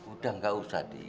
udah gak usah dik